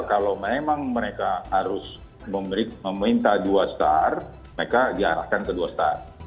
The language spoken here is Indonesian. kalau memang mereka harus meminta dua star mereka diarahkan ke dua start